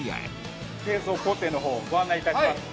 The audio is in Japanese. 製造工程の方をご案内致します。